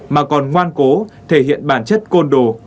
mà còn ngoan cố thể hiện bản chất côn đồ